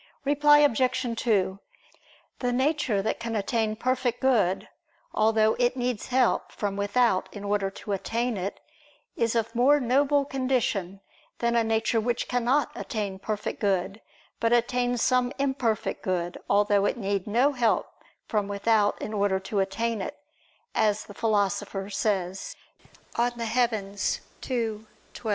Reply Obj. 2: The nature that can attain perfect good, although it needs help from without in order to attain it, is of more noble condition than a nature which cannot attain perfect good, but attains some imperfect good, although it need no help from without in order to attain it, as the Philosopher says (De Coel. ii, 12).